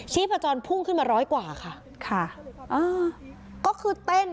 ชีพจรพุ่งขึ้นมาร้อยกว่าค่ะค่ะอ่าก็คือเต้น